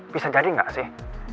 bisa jadi gak sih